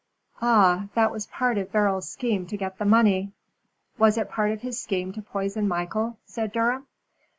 "Ah, that was part of Beryl's scheme to get the money." "Was it part of his scheme to poison Michael?" said Durham.